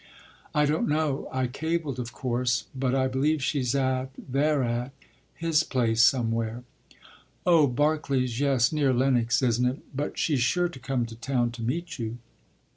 “I don’t know. I cabled, of course. But I believe she’s at they’re at his place somewhere.” “Oh, Barkley’s; yes, near Lenox, isn’t it? But she’s sure to come to town to meet you.